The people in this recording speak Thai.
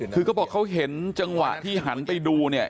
คือเขาบอกเขาเห็นจังหวะที่หันไปดูเนี่ย